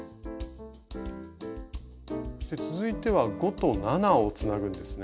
続いては５と７をつなぐんですね？